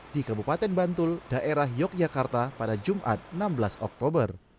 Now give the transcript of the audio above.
di kabupaten bantul daerah yogyakarta pada jumat enam belas oktober